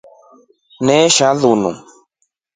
Aliisha linu.